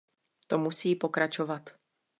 To musí pokračovat.